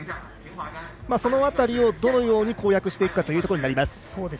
その辺りをどのように攻略していくかということになります。